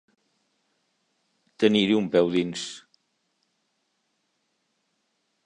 Tenir-hi un peu dins.